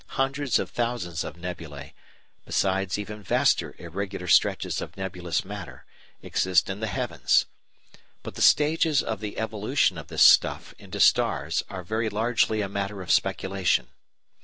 Hundreds of thousands of nebulæ, besides even vaster irregular stretches of nebulous matter, exist in the heavens. But the stages of the evolution of this stuff into stars are very largely a matter of speculation.